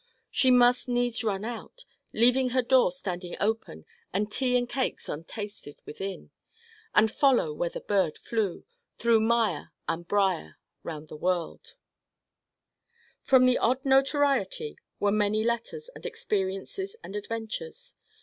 She must needs run out leaving her door standing open and tea and cakes untasted within and follow where the bird flew, through mire and brier, round the world From the odd notoriety were many letters and experiences and adventures.